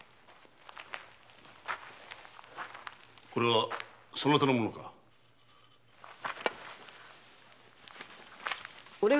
これはそなたの物だな。